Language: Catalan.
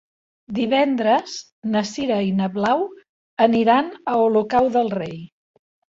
Divendres na Sira i na Blau aniran a Olocau del Rei.